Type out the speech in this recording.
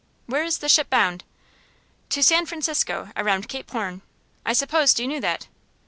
"Where is the ship bound?" "To San Francisco, around Cape Horn. I supposed you knew that."